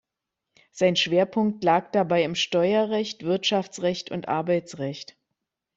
Sein Schwerpunkt lag dabei im Steuerrecht, Wirtschaftsrecht und Arbeitsrecht.